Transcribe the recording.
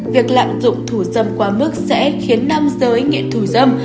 việc lạm dụng thù dâm quá mức sẽ khiến năm giới nghiện thù dâm